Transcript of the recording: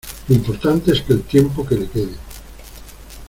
lo importante es que el tiempo que le quede